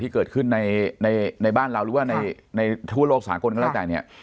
เกิดขึ้นในบ้านเราหรือว่าในทั่วโลกสากลก็แล้วแต่เนี่ย